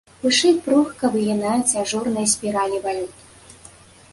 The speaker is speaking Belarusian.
Вышэй пругка выгінаюцца ажурныя спіралі валют.